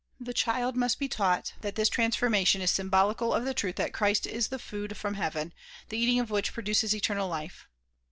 The child must be taught that this transformation is symbolical of the truth that Christ is the food from heaven, the eating of which produces eternal life.